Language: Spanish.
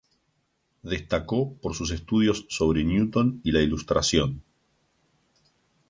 Destacó por sus estudios sobre Newton y la Ilustración.